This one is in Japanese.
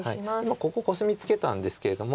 今ここコスミツケたんですけれども。